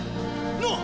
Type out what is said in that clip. なあ？